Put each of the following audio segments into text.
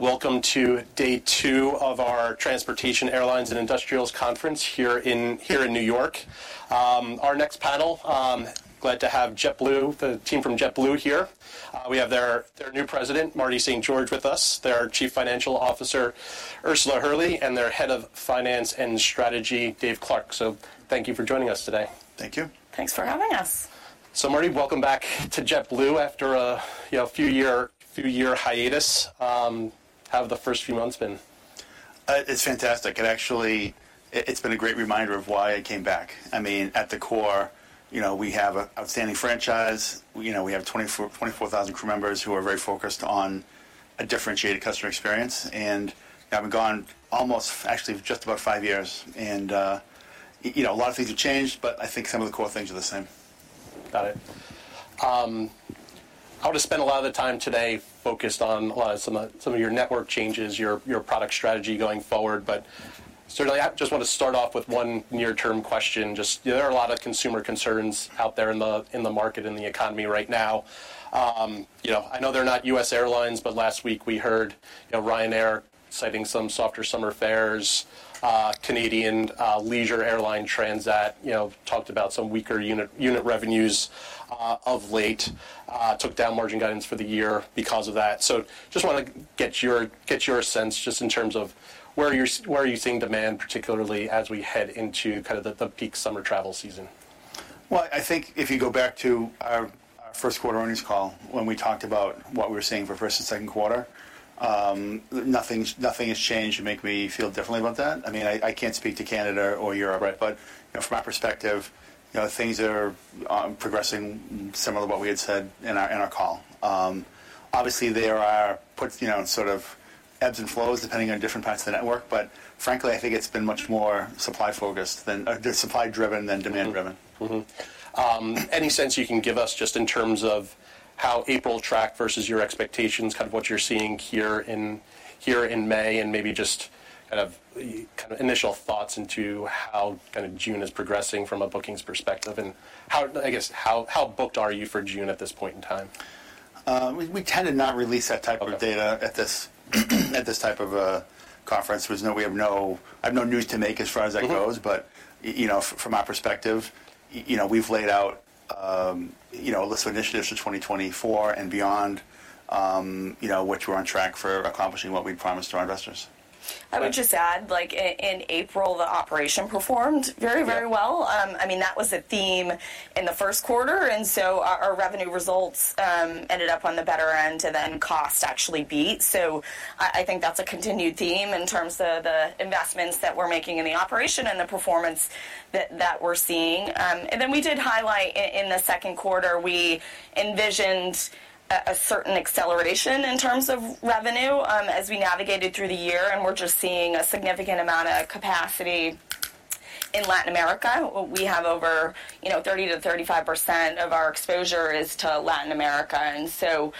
Welcome to day two of our Transportation, Airlines, and Industrials Conference here in New York. Our next panel, glad to have JetBlue, the team from JetBlue here. We have their new President, Marty St. George, with us, their Chief Financial Officer, Ursula Hurley, and their Head of Finance and Strategy, Dave Clark. So thank you for joining us today. Thank you. Thanks for having us. So, Marty, welcome back to JetBlue after you know, few year hiatus. How have the first few months been? It's fantastic. It's actually been a great reminder of why I came back. I mean, at the core, you know, we have an outstanding franchise. You know, we have 24,000 crew members who are very focused on a differentiated customer experience, and I've been gone almost actually just about five years. And, you know, a lot of things have changed, but I think some of the core things are the same. Got it. I want to spend a lot of the time today focused on a lot of some of, some of your network changes, your product strategy going forward. But certainly, I just want to start off with one near-term question. Just, there are a lot of consumer concerns out there in the market, in the economy right now. You know, I know they're not U.S. airlines, but last week we heard, you know, Ryanair citing some softer summer fares. Canadian leisure airline Transat, you know, talked about some weaker unit revenues of late took down margin guidance for the year because of that. So just want to get your sense, just in terms of where you are seeing demand, particularly as we head into the peak summer travel season? Well, I think if you go back to our first quarter earnings call, when we talked about what we were seeing for first and second quarter, nothing has changed to make me feel differently about that. I mean, I can't speak to Canada or Europe. Right... but, you know, from my perspective, you know, things are progressing similar to what we had said in our, in our call. Obviously, there are you know, sort of ebbs and flows depending on different parts of the network, but frankly, I think it's been much more supply focused than supply driven than demand driven. Mm-hmm. Any sense you can give us just in terms of how April tracked versus your expectations, kind of what you're seeing here in May, and maybe just kind of initial thoughts into how kind of June is progressing from a bookings perspective? And how... I guess, how booked are you for June at this point in time? We tend to not release that type of data- Okay... at this type of a conference. I have no news to make as far as that goes. Mm-hmm. But, you know, from our perspective, you know, we've laid out, you know, a list of initiatives for 2024 and beyond, you know, which we're on track for accomplishing what we promised to our investors. I would just add, like in April, the operation performed very, very well. Yeah. I mean, that was the theme in the first quarter, and so our revenue results ended up on the better end than cost actually beat. So I think that's a continued theme in terms of the investments that we're making in the operation and the performance that we're seeing. And then we did highlight in the second quarter, we envisioned a certain acceleration in terms of revenue, as we navigated through the year, and we're just seeing a significant amount of capacity in Latin America. We have over, you know, 30%-35% of our exposure is to Latin America, and so,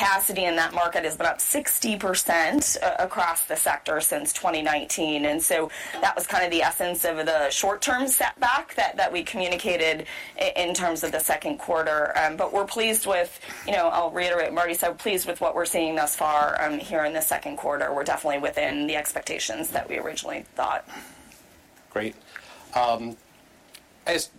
capacity in that market is about 60% across the sector since 2019. That was kind of the essence of the short-term setback that we communicated in terms of the second quarter. But you know, I'll reiterate, Marty said, we're pleased with what we're seeing thus far here in the second quarter. We're definitely within the expectations that we originally thought. Great. As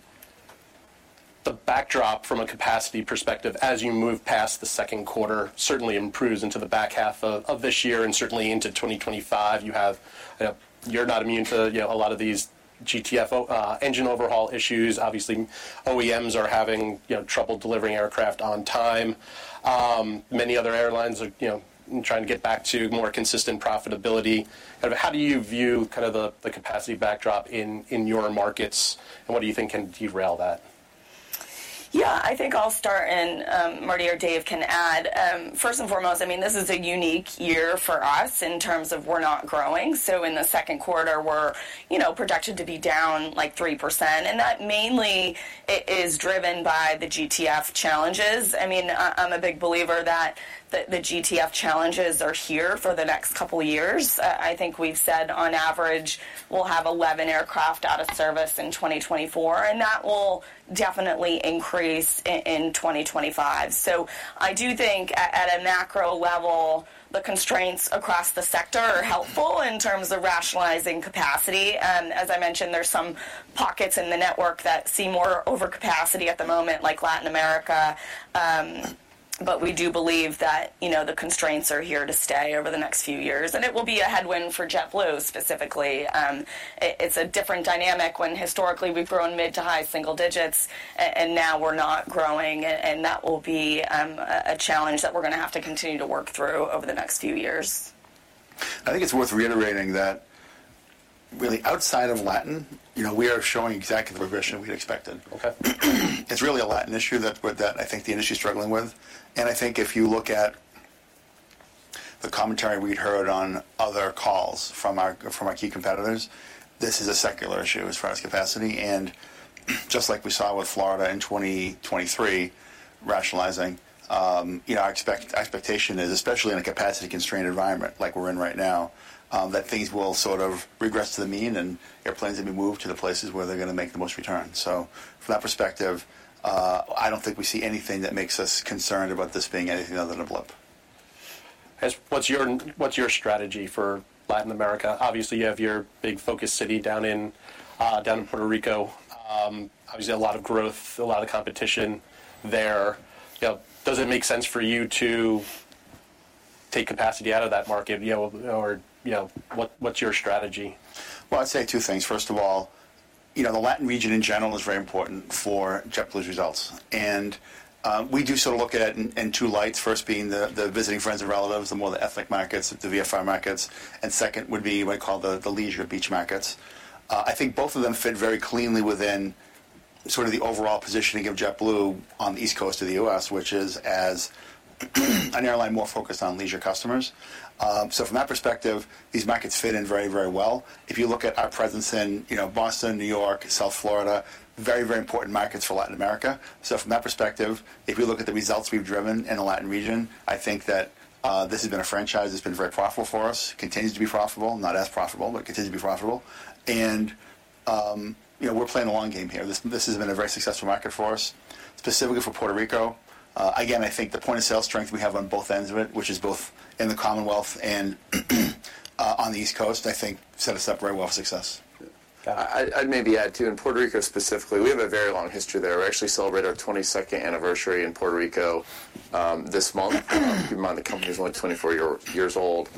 the backdrop from a capacity perspective, as you move past the second quarter, certainly improves into the back half of this year and certainly into 2025. You have, you know, you're not immune to, you know, a lot of these GTF engine overhaul issues. Obviously, OEMs are having, you know, trouble delivering aircraft on time. Many other airlines are, you know, trying to get back to more consistent profitability. But how do you view kind of the capacity backdrop in your markets, and what do you think can derail that? Yeah, I think I'll start, and Marty or Dave can add. First and foremost, I mean, this is a unique year for us in terms of we're not growing. So in the second quarter, we're, you know, projected to be down, like, 3%, and that mainly is driven by the GTF challenges. I mean, I'm a big believer that the GTF challenges are here for the next couple of years. I think we've said on average, we'll have 11 aircraft out of service in 2024, and that will definitely increase in 2025. So I do think at a macro level, the constraints across the sector are helpful in terms of rationalizing capacity. As I mentioned, there's some pockets in the network that see more overcapacity at the moment, like Latin America. But we do believe that, you know, the constraints are here to stay over the next few years, and it will be a headwind for JetBlue specifically. It's a different dynamic when historically we've grown mid to high single digits, and now we're not growing, and that will be a challenge that we're gonna have to continue to work through over the next few years. I think it's worth reiterating that really outside of Latin, you know, we are showing exactly the progression we'd expected. Okay. It's really a Latin issue with that, I think the industry is struggling with. And I think if you look at the commentary we'd heard on other calls from our key competitors, this is a secular issue as far as capacity. And just like we saw with Florida in 2023, rationalizing, you know, our expectation is, especially in a capacity-constrained environment like we're in right now, that things will sort of regress to the mean, and airplanes will be moved to the places where they're gonna make the most return. So from that perspective, I don't think we see anything that makes us concerned about this being anything other than a blip.... as, what's your strategy for Latin America? Obviously, you have your big focus city down in Puerto Rico. Obviously, a lot of growth, a lot of competition there. You know, does it make sense for you to take capacity out of that market, you know, or, you know, what, what's your strategy? Well, I'd say two things. First of all, you know, the Latin region in general is very important for JetBlue's results. And, we do sort of look at it in two lights. First, being the visiting friends and relatives, the more the ethnic markets, the VFR markets, and second would be what I call the leisure beach markets. I think both of them fit very cleanly within sort of the overall positioning of JetBlue on the East Coast of the U.S., which is as an airline more focused on leisure customers. So from that perspective, these markets fit in very, very well. If you look at our presence in, you know, Boston, New York, South Florida, very, very important markets for Latin America. So from that perspective, if you look at the results we've driven in the Latin region, I think that this has been a franchise that's been very profitable for us. Continues to be profitable, not as profitable, but continues to be profitable. And you know, we're playing a long game here. This has been a very successful market for us, specifically for Puerto Rico. Again, I think the point-of-sale strength we have on both ends of it, which is both in the Commonwealth and on the East Coast, I think set us up very well for success. Yeah. I'd maybe add, too, in Puerto Rico specifically, we have a very long history there. We actually celebrate our 22nd anniversary in Puerto Rico this month. Keep in mind, the company is only 24 years old.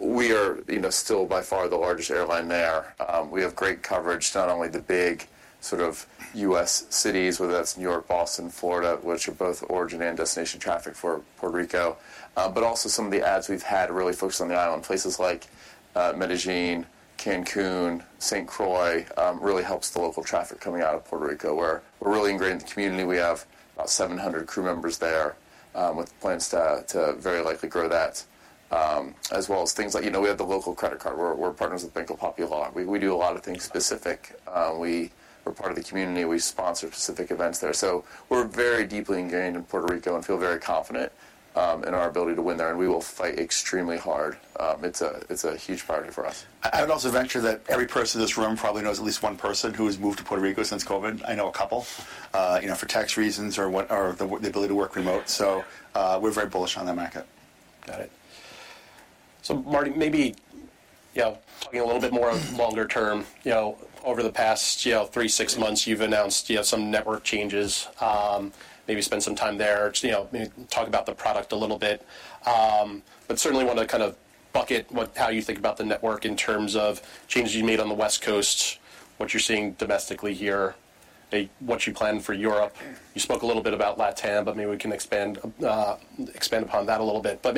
We are, you know, still by far the largest airline there. We have great coverage, not only the big sort of U.S. cities, whether that's New York, Boston, Florida, which are both origin and destination traffic for Puerto Rico, but also some of the adds we've had really focused on the island. Places like Medellín, Cancun, St. Croix really helps the local traffic coming out of Puerto Rico, where we're really ingrained in the community. We have about 700 crew members there, with plans to very likely grow that. As well as things like... You know, we have the local credit card. We're partners with Banco Popular. We do a lot of things specific. We are part of the community. We sponsor specific events there. So we're very deeply ingrained in Puerto Rico and feel very confident in our ability to win there, and we will fight extremely hard. It's a huge priority for us. I would also venture that every person in this room probably knows at least one person who has moved to Puerto Rico since COVID. I know a couple, you know, for tax reasons or the ability to work remote, so we're very bullish on that market. Got it. So, Marty, maybe, you know, talking a little bit more longer term, you know, over the past, you know, three to six months, you've announced, you know, some network changes. Maybe spend some time there, just, you know, maybe talk about the product a little bit. But certainly want to kind of bucket what, how you think about the network in terms of changes you made on the West Coast, what you're seeing domestically here, what you plan for Europe. You spoke a little bit about LatAm, but maybe we can expand, expand upon that a little bit. But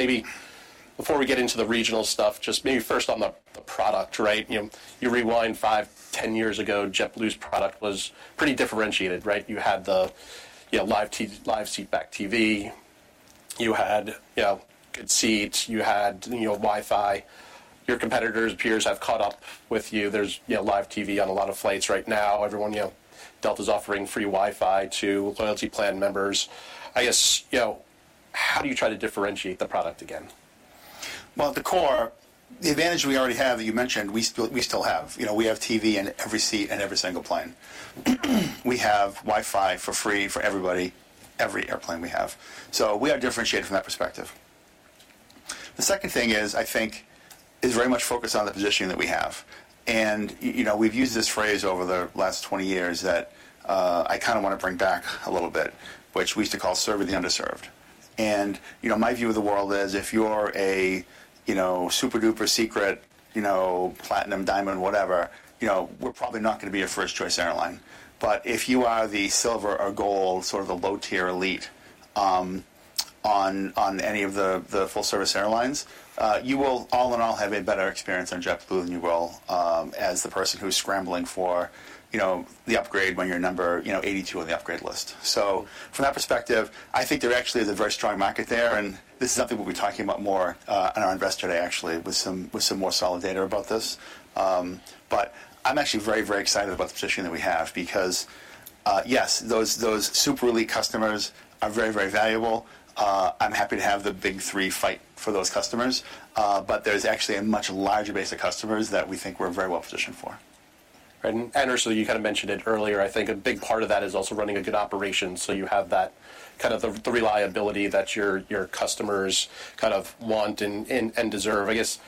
maybe before we get into the regional stuff, just maybe first on the product, right? You know, you rewind five to 10 years ago, JetBlue's product was pretty differentiated, right? You had the, you know, live TV, live seatback TV. You had, you know, good seats. You had, you know, Wi-Fi. Your competitors, peers, have caught up with you. There's, you know, live TV on a lot of flights right now. Everyone, you know, Delta's offering free Wi-Fi to loyalty plan members. I guess, you know, how do you try to differentiate the product again? Well, at the core, the advantage we already have, that you mentioned, we still, we still have. You know, we have TV in every seat and every single plane. We have Wi-Fi for free for everybody, every airplane we have. So we are differentiated from that perspective. The second thing is, I think, is very much focused on the positioning that we have. And you know, we've used this phrase over the last 20 years that, I kind of want to bring back a little bit, which we used to call serving the underserved. And, you know, my view of the world is, if you're a, you know, super-duper secret, you know, platinum, diamond, whatever, you know, we're probably not gonna be your first choice airline. But if you are the silver or gold, sort of the low-tier elite, on any of the full-service airlines, you will all in all have a better experience on JetBlue than you will, as the person who's scrambling for, you know, the upgrade when you're number, you know, 82 on the upgrade list. So from that perspective, I think there actually is a very strong market there, and this is something we'll be talking about more, on our Investor Day, actually, with some more solid data about this. But I'm actually very, very excited about the positioning that we have because, yes, those super elite customers are very, very valuable. I'm happy to have the Big Three fight for those customers. But there's actually a much larger base of customers that we think we're very well positioned for. Right. And, Andrew, you kind of mentioned it earlier. I think a big part of that is also running a good operation, so you have that kind of the reliability that your customers kind of want and deserve. I guess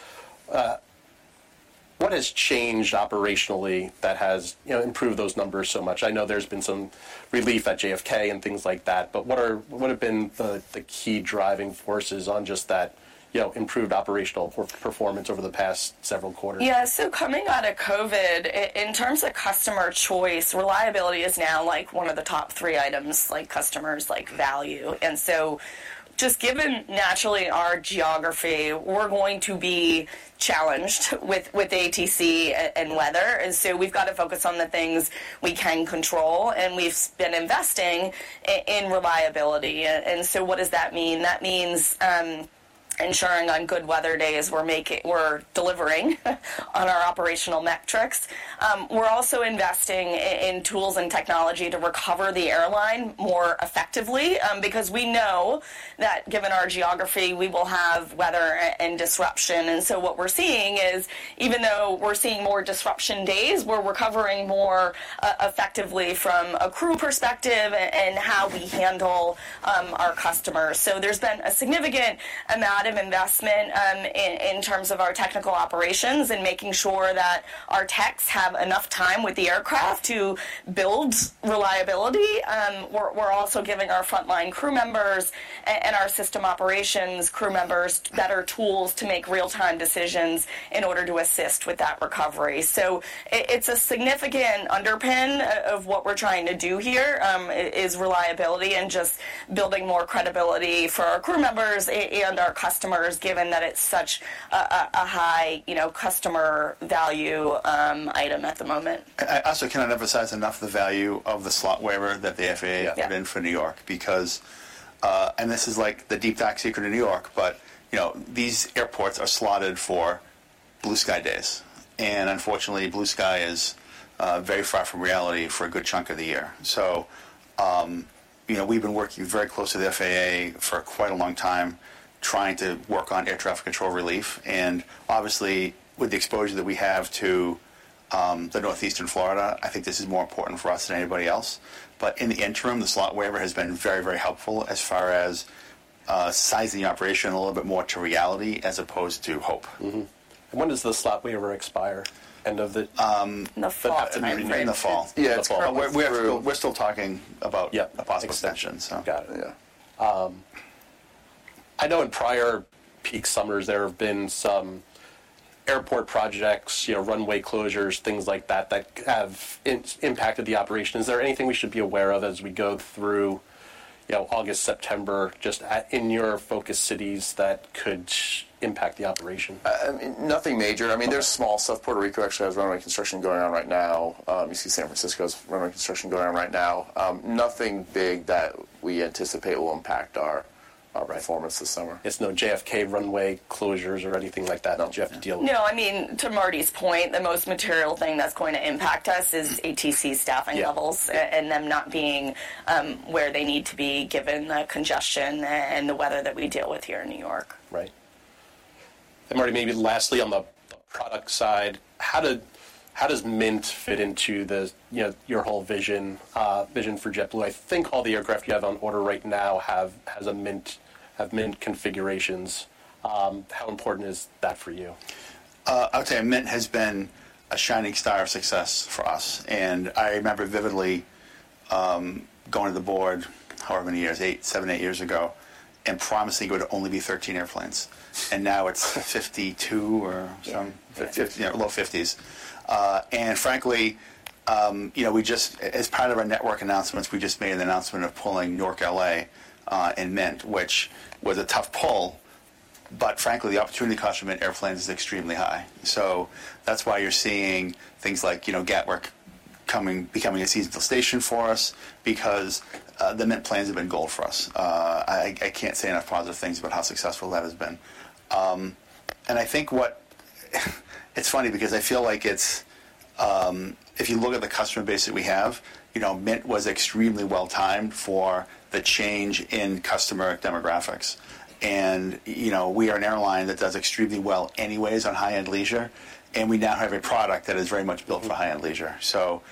what has changed operationally that has, you know, improved those numbers so much? I know there's been some relief at JFK and things like that, but what are—what have been the key driving forces on just that, you know, improved operational performance over the past several quarters? Yeah. So coming out of COVID, in terms of customer choice, reliability is now, like, one of the top three items, like, customers, like, value. And so just given naturally our geography, we're going to be challenged with ATC and weather. And so we've got to focus on the things we can control, and we've been investing in reliability. And so what does that mean? That means ensuring on good weather days, we're making—we're delivering on our operational metrics. We're also investing in tools and technology to recover the airline more effectively, because we know that given our geography, we will have weather and disruption. And so what we're seeing is, even though we're seeing more disruption days, we're recovering more effectively from a crew perspective and how we handle our customers. So there's been a significant amount of investment in terms of our Technical Operations and making sure that our techs have enough time with the aircraft to build reliability. We're also giving our frontline crew members and our System Operations crew members better tools to make real-time decisions in order to assist with that recovery. So it's a significant underpin of what we're trying to do here, is reliability and just building more credibility for our crew members and our customers, given that it's such a high, you know, customer value item at the moment. I also cannot emphasize enough the value of the slot waiver that the FAA- Yeah... approved for New York because, and this is like the deep, dark secret in New York, but, you know, these airports are slotted for blue sky days, and unfortunately, blue sky is very far from reality for a good chunk of the year. So, you know, we've been working very closely with the FAA for quite a long time, trying to work on air traffic control relief. And obviously, with the exposure that we have to the Northeast and Florida, I think this is more important for us than anybody else. But in the interim, the slot waiver has been very, very helpful as far as sizing the operation a little bit more to reality as opposed to hope. Mm-hmm. When does the slot waiver expire? End of the- Um- The fall. I mean, in the fall. Yeah, the fall. We're still talking about- Yeah... a possible extension, so. Got it. Yeah. I know in prior peak summers, there have been some airport projects, you know, runway closures, things like that, that have impacted the operation. Is there anything we should be aware of as we go through, you know, August, September, just in your focus cities that could impact the operation? Nothing major. Okay. I mean, there's small stuff. Puerto Rico actually has runway construction going on right now. You see San Francisco's runway construction going on right now. Nothing big that we anticipate will impact our- All right... performance this summer. There's no JFK runway closures or anything like that. No... you have to deal with? No, I mean, to Marty's point, the most material thing that's going to impact us is ATC staffing levels- Yeah... and them not being where they need to be, given the congestion and the weather that we deal with here in New York. Right. And Marty, maybe lastly, on the product side, how does Mint fit into the, you know, your whole vision for JetBlue? I think all the aircraft you have on order right now have Mint configurations. How important is that for you? I would say Mint has been a shining star of success for us, and I remember vividly, going to the board however many years, eight--seven, eight years ago, and promising it would only be 13 airplanes, and now it's 52 or something- Yeah. Fifth- you know, low 50s. And frankly, you know, we just as part of our network announcements, we just made an announcement of pulling New York, L.A., in Mint, which was a tough pull, but frankly, the opportunity cost from Mint airplanes is extremely high. So that's why you're seeing things like, you know, Gatwick becoming a seasonal station for us, because the Mint planes have been gold for us. I can't say enough positive things about how successful that has been. And I think what... It's funny because I feel like it's... If you look at the customer base that we have, you know, Mint was extremely well-timed for the change in customer demographics. You know, we are an airline that does extremely well anyways on high-end leisure, and we now have a product that is very much built for high-end leisure. So,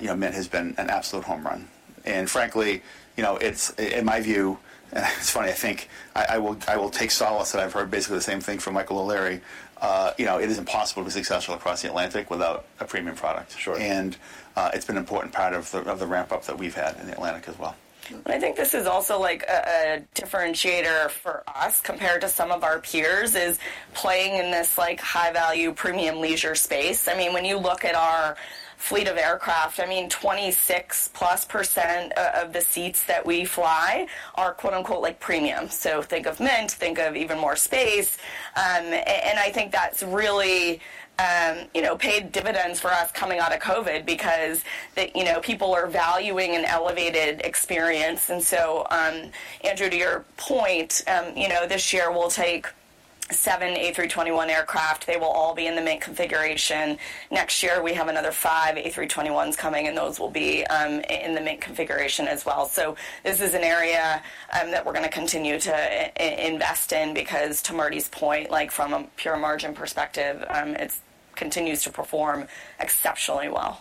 you know, Mint has been an absolute home run. And frankly, you know, it's in my view, it's funny, I think I will take solace that I've heard basically the same thing from Michael O'Leary. You know, it is impossible to be successful across the Atlantic without a premium product. Sure. It's been an important part of the ramp-up that we've had in the Atlantic as well. I think this is also like a differentiator for us compared to some of our peers, is playing in this, like, high-value, premium leisure space. I mean, when you look at our fleet of aircraft, I mean, 26%+ of the seats that we fly are, quote-unquote, "like premium." So think of Mint, think of Even More Space. And I think that's really, you know, paid dividends for us coming out of COVID because the, you know, people are valuing an elevated experience. And so, Andrew, to your point, you know, this year we'll take seven A321 aircraft. They will all be in the Mint configuration. Next year, we have another five A321s coming, and those will be in the Mint configuration as well. This is an area that we're gonna continue to invest in, because to Marty's point, like, from a pure margin perspective, it continues to perform exceptionally well.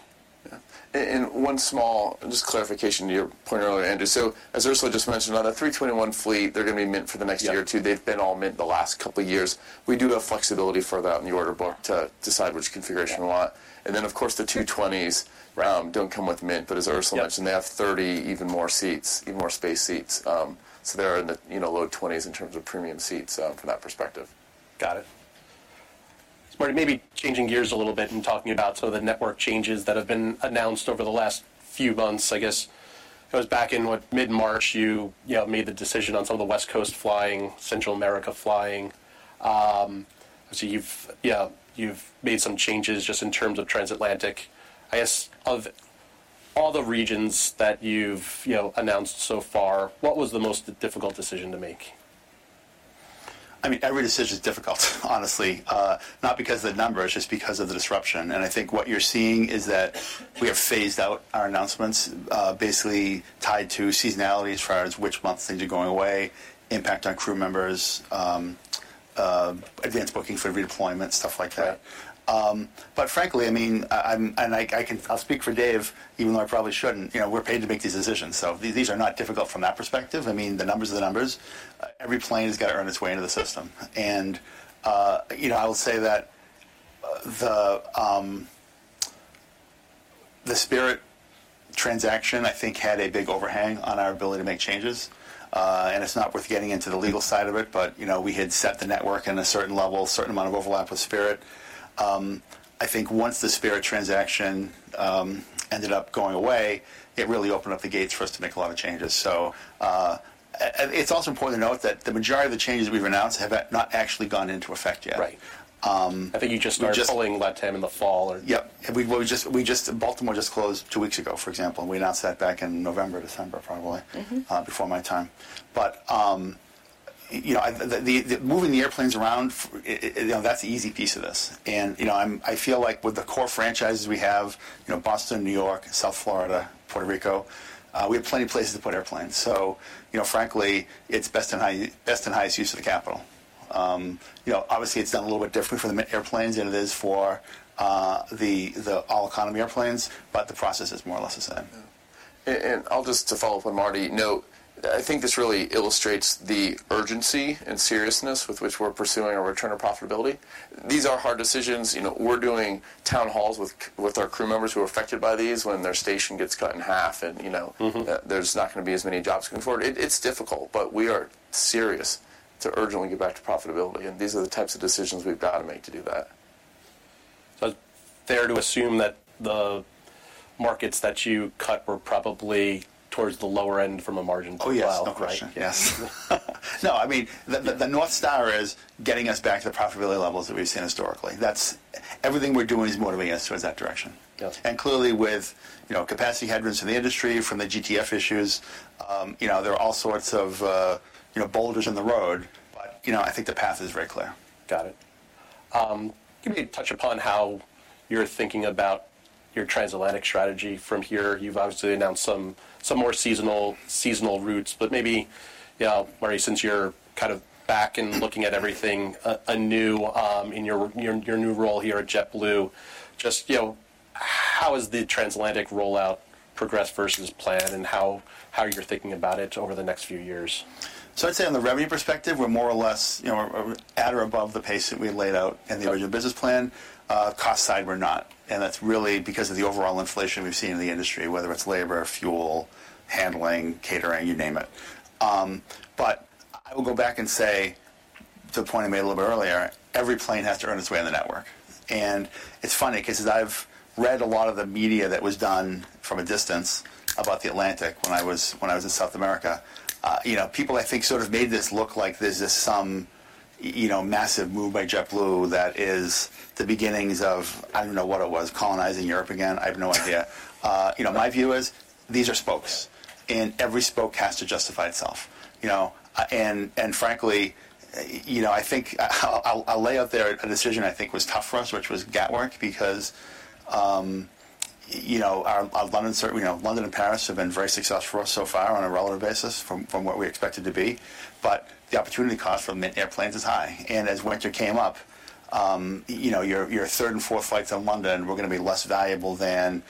Yeah. One small just clarification to your point earlier, Andrew. So as Ursula just mentioned, on a 321 fleet, they're gonna be Mint for the next year or two. Yeah. They've been all Mint the last couple of years. We do have flexibility for that in the order book to decide which configuration we want. Yeah. And then, of course, the 220s- Right... don't come with Mint, but as Ursula mentioned- Yeah... they have 30 Even More Space seats, Even More Space seats. So they're in the, you know, low 20s in terms of premium seats, from that perspective. Got it. Marty, maybe changing gears a little bit and talking about some of the network changes that have been announced over the last few months. I guess it was back in, what, mid-March, you know, made the decision on some of the West Coast flying, Central America flying. So, yeah, you've made some changes just in terms of transatlantic. I guess, of all the regions that you've, you know, announced so far, what was the most difficult decision to make? I mean, every decision is difficult, honestly. Not because of the numbers, just because of the disruption. And I think what you're seeing is that we have phased out our announcements, basically tied to seasonality as far as which months things are going away, impact on crew members, advanced booking for redeployment, stuff like that. But frankly, I mean, I'll speak for Dave, even though I probably shouldn't. You know, we're paid to make these decisions, so these are not difficult from that perspective. I mean, the numbers are the numbers. Every plane has got to earn its way into the system. And, you know, I will say that the Spirit transaction, I think, had a big overhang on our ability to make changes. And it's not worth getting into the legal side of it, but, you know, we had set the network in a certain level, a certain amount of overlap with Spirit. I think once the Spirit transaction ended up going away, it really opened up the gates for us to make a lot of changes. So, and it's also important to note that the majority of the changes we've announced have not actually gone into effect yet. Right. Um- I think you just started pulling LatAm in the fall, or- Yep. Well, just—we just—Baltimore just closed two weeks ago, for example. We announced that back in November or December, probably— Mm-hmm... before my time. But, you know, moving the airplanes around for it, you know, that's the easy piece of this. And, you know, I feel like with the core franchises we have, you know, Boston, New York, South Florida, Puerto Rico, we have plenty of places to put airplanes. So, you know, frankly, it's best and highest use of the capital. You know, obviously, it's done a little bit different for the Mint airplanes than it is for the all-economy airplanes, but the process is more or less the same. Yeah. And I'll just try to follow up on what Marty noted. I think this really illustrates the urgency and seriousness with which we're pursuing a return of profitability. These are hard decisions. You know, we're doing town halls with our crew members who are affected by these, when their station gets cut in half. And, you know- Mm-hmm... there's not going to be as many jobs going forward. It's difficult, but we are serious to urgently get back to profitability, and these are the types of decisions we've got to make to do that. Fair to assume that the markets that you cut were probably towards the lower end from a margin profile? Oh, yes. No question. Right. Yes. No, I mean, the North Star is getting us back to the profitability levels that we've seen historically. That's everything we're doing is motivating us towards that direction. Got it. Clearly, with you know, capacity headwinds from the industry, from the GTF issues, you know, there are all sorts of, you know, boulders in the road, but, you know, I think the path is very clear. Got it. Can you touch upon how you're thinking about your transatlantic strategy from here? You've obviously announced some more seasonal routes, but maybe, you know, Marty, since you're kind of back and looking at everything anew, in your new role here at JetBlue, just, you know, how is the transatlantic rollout progressed versus plan, and how you're thinking about it over the next few years? So I'd say on the revenue perspective, we're more or less, you know, we're at or above the pace that we laid out in the original business plan. Cost side, we're not, and that's really because of the overall inflation we've seen in the industry, whether it's labor, fuel, handling, catering, you name it. But I will go back and say, to the point I made a little bit earlier, every plane has to earn its way on the network. And it's funny because as I've read a lot of the media that was done from a distance about the Atlantic when I was in South America, you know, people, I think, sort of made this look like this is some, you know, massive move by JetBlue that is the beginnings of, I don't know what it was, colonizing Europe again. I have no idea. You know, my view is, these are spokes, and every spoke has to justify itself, you know. And frankly, you know, I think I'll lay out a decision I think was tough for us, which was Gatwick, because, you know, our London, certainly, you know, London and Paris have been very successful for us so far on a relative basis from what we expected to be. But the opportunity cost for Mint airplanes is high. And as winter came up, you know, your third and fourth flights on London were gonna be less valuable than,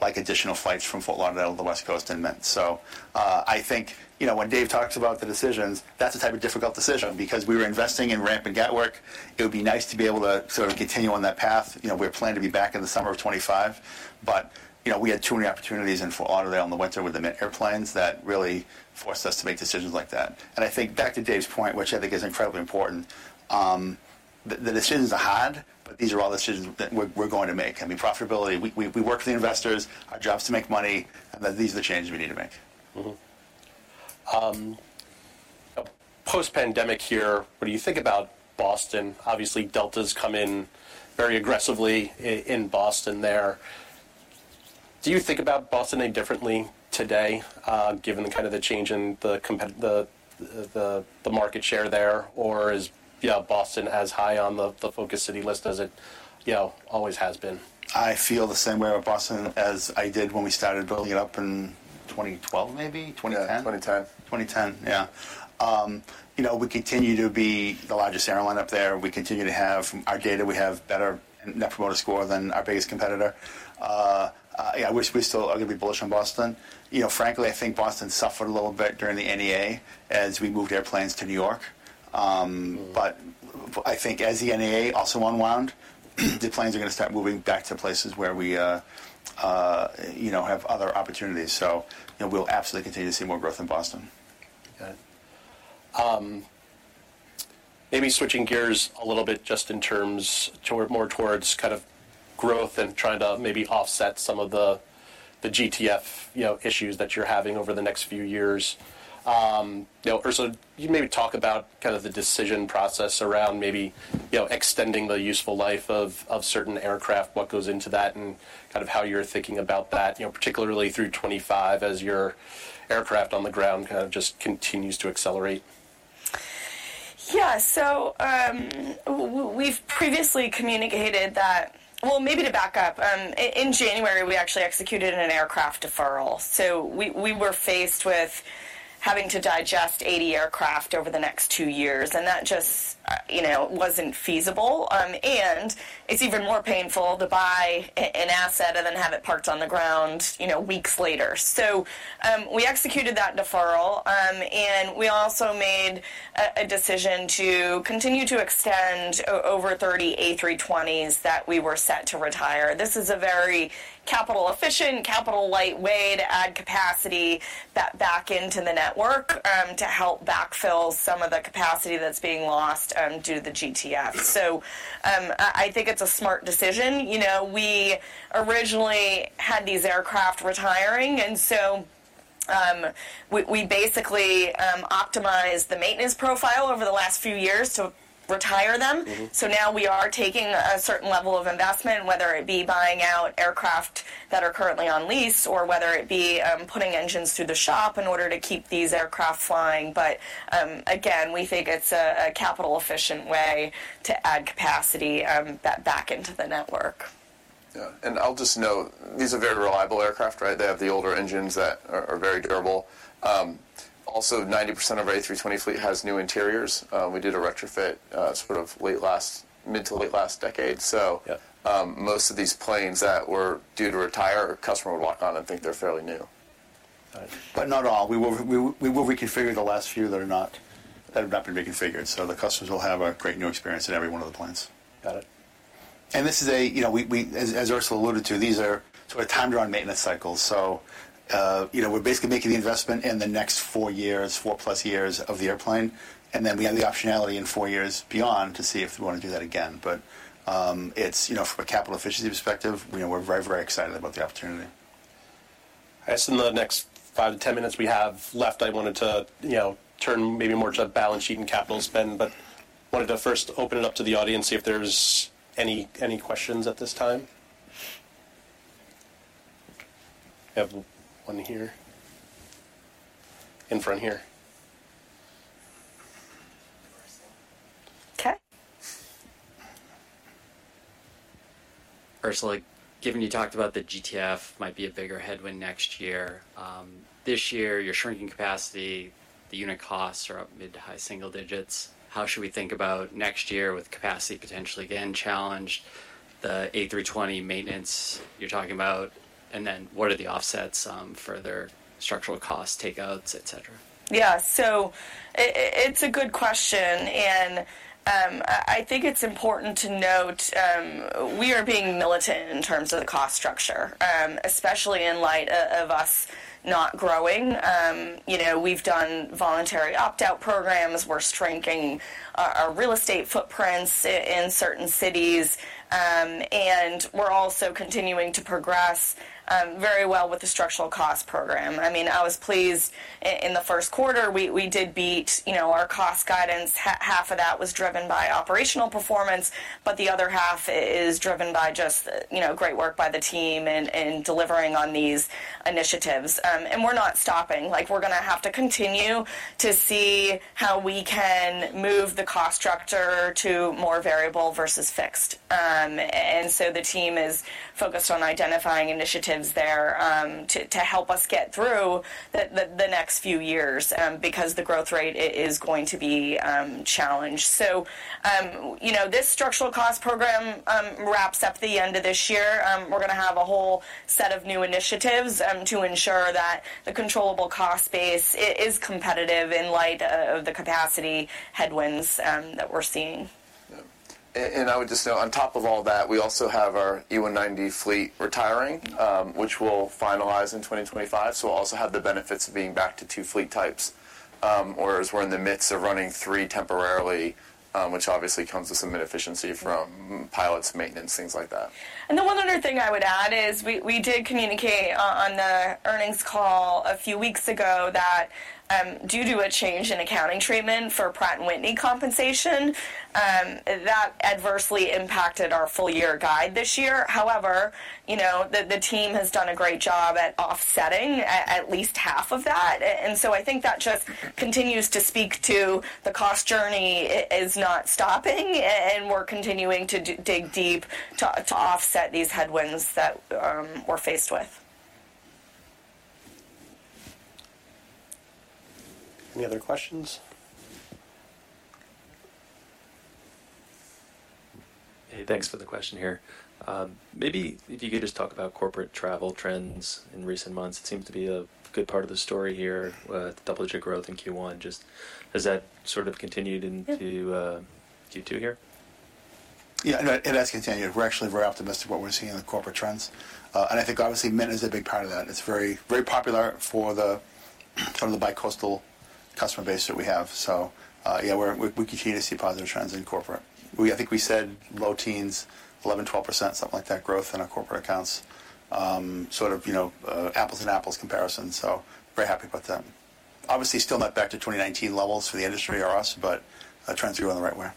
like, additional flights from Fort Lauderdale to the West Coast and Mint. So, I think, you know, when Dave talks about the decisions, that's the type of difficult decision because we were investing in ramp and Gatwick. It would be nice to be able to sort of continue on that path. You know, we plan to be back in the summer of 2025, but, you know, we had too many opportunities in Fort Lauderdale in the winter with the Mint airplanes that really forced us to make decisions like that. And I think back to Dave's point, which I think is incredibly important, the decisions are hard, but these are all the decisions that we're going to make. I mean, profitability, we work with the investors. Our job is to make money, and these are the changes we need to make. Mm-hmm. Post-pandemic here, what do you think about Boston? Obviously, Delta's come in very aggressively in Boston there. Do you think about Boston any differently today, given the kind of change in the market share there, or is Boston as high on the focus city list as it, you know, always has been? I feel the same way about Boston as I did when we started building it up in 2012, maybe 2010? Yeah, 2010. 2010, yeah. You know, we continue to be the largest airline up there. We continue to have... Our data, we have better Net Promoter Score than our biggest competitor. Yeah, we, we still are gonna be bullish on Boston. You know, frankly, I think Boston suffered a little bit during the NEA as we moved airplanes to New York. Mm.... but I think as the NEA also unwound, the planes are gonna start moving back to places where we, you know, have other opportunities. So, you know, we'll absolutely continue to see more growth in Boston. Got it. Maybe switching gears a little bit, just in terms more towards kind of growth and trying to maybe offset some of the GTF, you know, issues that you're having over the next few years. You know, or so, you maybe talk about kind of the decision process around maybe, you know, extending the useful life of certain aircraft, what goes into that, and kind of how you're thinking about that, you know, particularly through 2025, as your aircraft on the ground kind of just continues to accelerate. Yeah. So, we've previously communicated that... Well, maybe to back up, in January, we actually executed an aircraft deferral. So we, we were faced with-... having to digest 80 aircraft over the next two years, and that just, you know, wasn't feasible. It's even more painful to buy an asset and then have it parked on the ground, you know, weeks later. So, we executed that deferral, and we also made a decision to continue to extend over 30 A320s that we were set to retire. This is a very capital-efficient, capital-light way to add capacity that back into the network, to help backfill some of the capacity that's being lost, due to the GTF. So, I think it's a smart decision. You know, we originally had these aircraft retiring, and so, we basically optimized the maintenance profile over the last few years to retire them. Mm-hmm. So now we are taking a certain level of investment, whether it be buying out aircraft that are currently on lease or whether it be, putting engines through the shop in order to keep these aircraft flying. But, again, we think it's a capital-efficient way to add capacity, that back into the network. Yeah, and I'll just note, these are very reliable aircraft, right? They have the older engines that are very durable. Also, 90% of our A320 fleet has new interiors. We did a retrofit, sort of mid to late last decade. Yeah. Most of these planes that were due to retire, a customer would walk on and think they're fairly new. Right. But not all. We will reconfigure the last few that are not, that have not been reconfigured, so the customers will have a great new experience in every one of the planes. Got it. This is a, you know, as Ursula alluded to, these are sort of timed around maintenance cycles. So, you know, we're basically making the investment in the next four years, four plus years of the airplane, and then we have the optionality in four years beyond to see if we want to do that again. But, it's... You know, from a capital efficiency perspective, you know, we're very, very excited about the opportunity. I guess in the next five to 10 minutes we have left, I wanted to, you know, turn maybe more to the balance sheet and capital spend. But wanted to first open it up to the audience, see if there's any, any questions at this time. We have one here. In front here. Okay. Ursula, given you talked about the GTF might be a bigger headwind next year, this year, you're shrinking capacity, the unit costs are up mid- to high-single digits. How should we think about next year with capacity potentially again challenged, the A320 maintenance you're talking about, and then what are the offsets, further structural cost takeouts, et cetera? Yeah. So it's a good question, and, I think it's important to note, we are being militant in terms of the cost structure, especially in light of us not growing. You know, we've done voluntary opt-out programs. We're shrinking our real estate footprints in certain cities, and we're also continuing to progress very well with the structural cost program. I mean, I was pleased in the first quarter, we did beat our cost guidance. Half of that was driven by operational performance, but the other half is driven by just you know, great work by the team in delivering on these initiatives. And we're not stopping. Like, we're gonna have to continue to see how we can move the cost structure to more variable versus fixed. And so the team is focused on identifying initiatives there, to help us get through the next few years, because the growth rate is going to be challenged. So, you know, this structural cost program wraps up at the end of this year. We're gonna have a whole set of new initiatives, to ensure that the controllable cost base is competitive in light of the capacity headwinds that we're seeing. Yeah. I would just note, on top of all that, we also have our E190 fleet retiring. Mm-hmm. which we'll finalize in 2025, so we'll also have the benefits of being back to two fleet types. Whereas we're in the midst of running three temporarily, which obviously comes with some inefficiency from pilots, maintenance, things like that. The one other thing I would add is we did communicate on the earnings call a few weeks ago that, due to a change in accounting treatment for Pratt & Whitney compensation, that adversely impacted our full year guide this year. However, you know, the team has done a great job at offsetting at least half of that. And so I think that just continues to speak to the cost journey is not stopping, and we're continuing to dig deep to offset these headwinds that we're faced with. Any other questions? Hey, thanks for the question here. Maybe if you could just talk about corporate travel trends in recent months. It seems to be a good part of the story here, double-digit growth in Q1. Just has that sort of continued into- Yeah... Q2 here? Yeah, and it has continued. We're actually very optimistic about what we're seeing in the corporate trends. And I think obviously Mint is a big part of that. It's very, very popular from the bicoastal customer base that we have. So, yeah, we continue to see positive trends in corporate. I think we said low teens, 11, 12%, something like that, growth in our corporate accounts. Sort of, you know, apples and apples comparison, so very happy about that. Obviously, still not back to 2019 levels for the industry or us, but trends are going the right way.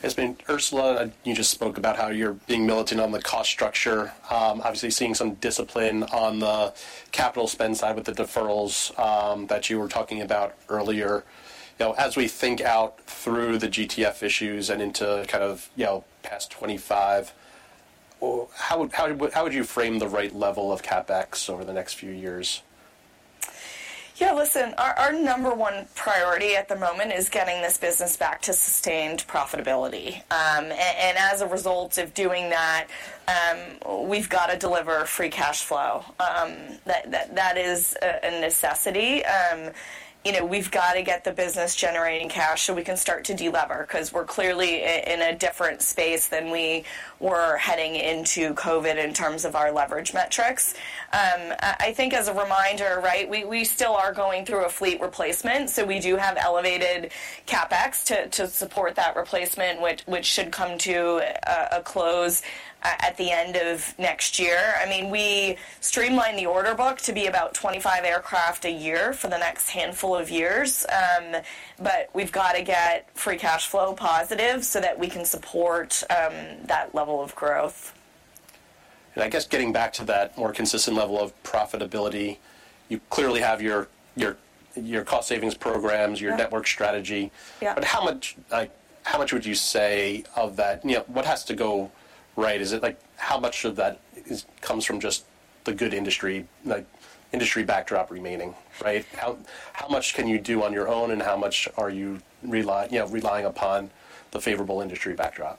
Hey, Ursula, you just spoke about how you're being militant on the cost structure. Obviously, seeing some discipline on the capital spend side with the deferrals that you were talking about earlier. You know, as we think out through the GTF issues and into kind of, you know, past 25, how would you frame the right level of CapEx over the next few years?... Yeah, listen, our number one priority at the moment is getting this business back to sustained profitability. And as a result of doing that, we've got to deliver free cash flow. That is a necessity. You know, we've got to get the business generating cash, so we can start to delever, 'cause we're clearly in a different space than we were heading into COVID in terms of our leverage metrics. I think as a reminder, right, we still are going through a fleet replacement, so we do have elevated CapEx to support that replacement, which should come to a close at the end of next year. I mean, we streamlined the order book to be about 25 aircraft a year for the next handful of years. We've got to get free cash flow positive, so that we can support that level of growth. I guess getting back to that more consistent level of profitability, you clearly have your cost savings programs- Yeah. your network strategy. Yeah. But how much, like, how much would you say of that? You know, what has to go right? Is it like, how much of that comes from just the good industry, like, industry backdrop remaining, right? How, how much can you do on your own, and how much are you, you know, relying upon the favorable industry backdrop?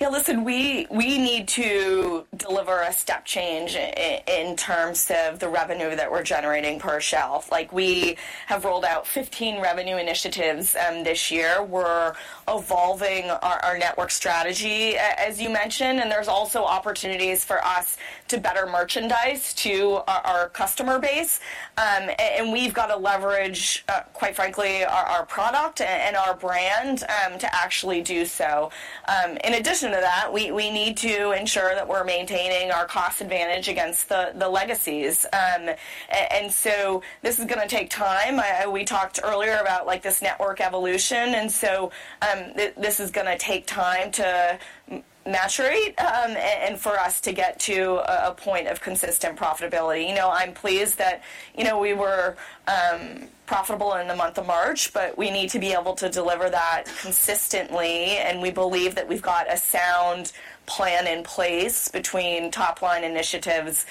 Yeah, listen, we need to deliver a step change in terms of the revenue that we're generating per shell. Like, we have rolled out 15 revenue initiatives this year. We're evolving our network strategy, as you mentioned, and there's also opportunities for us to better merchandise to our customer base. And we've got to leverage, quite frankly, our product and our brand to actually do so. In addition to that, we need to ensure that we're maintaining our cost advantage against the legacies. And so this is gonna take time. We talked earlier about, like, this network evolution, and so this is gonna take time to mature, and for us to get to a point of consistent profitability. You know, I'm pleased that, you know, we were profitable in the month of March, but we need to be able to deliver that consistently, and we believe that we've got a sound plan in place between top-line initiatives,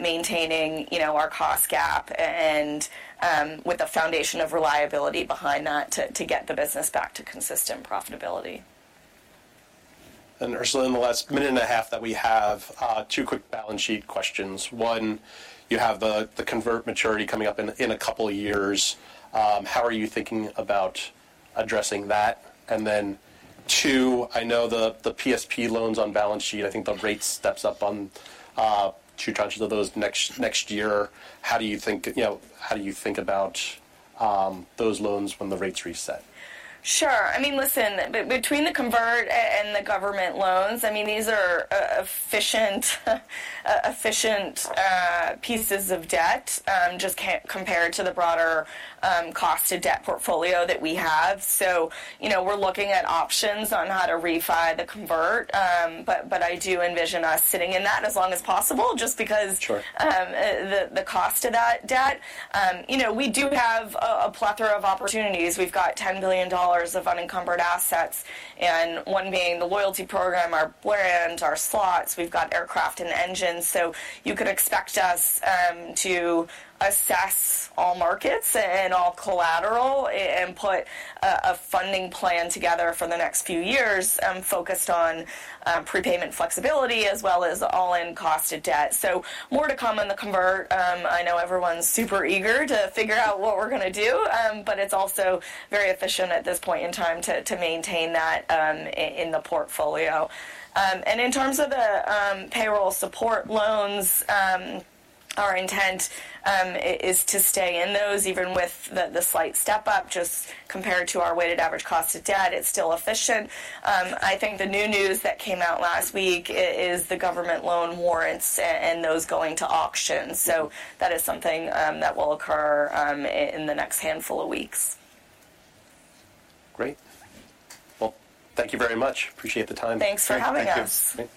maintaining, you know, our cost gap and, with a foundation of reliability behind that to get the business back to consistent profitability. Ursula, in the last minute and a half that we have, two quick balance sheet questions. One, you have the convert maturity coming up in a couple of years. How are you thinking about addressing that? And then, two, I know the PSP loans on balance sheet. I think the rate steps up on two tranches of those next year. How do you think... You know, how do you think about those loans when the rates reset? Sure. I mean, listen, between the convert and the government loans, I mean, these are efficient pieces of debt, just compared to the broader cost to debt portfolio that we have. So, you know, we're looking at options on how to refi the convert. But I do envision us sitting in that as long as possible, just because- Sure... the cost of that debt. You know, we do have a plethora of opportunities. We've got $10 billion of unencumbered assets, and one being the loyalty program, our brand, our slots, we've got aircraft and engines. So you could expect us to assess all markets and all collateral and put a funding plan together for the next few years, focused on prepayment flexibility, as well as all-in cost of debt. So more to come on the convert. I know everyone's super eager to figure out what we're gonna do, but it's also very efficient at this point in time to maintain that in the portfolio. And in terms of the payroll support loans, our intent is to stay in those, even with the slight step up. Just compared to our weighted average cost of debt, it's still efficient. I think the new news that came out last week is the government loan warrants and those going to auction. So that is something that will occur in the next handful of weeks. Great! Well, thank you very much. Appreciate the time. Thanks for having us. Great. Thank you. Thanks.